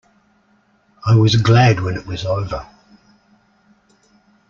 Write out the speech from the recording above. I was glad when it was over.